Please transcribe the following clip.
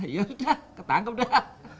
ya sudah ketangkep dah